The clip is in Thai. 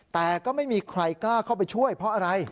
แต่ก็ไม่มีใครกล้าเข้าไปช่วยเพราะอะไร